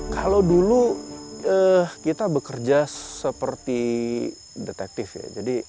kalau dulu kita bekerja seperti detektif ya